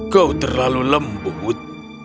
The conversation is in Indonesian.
kau terlalu lembut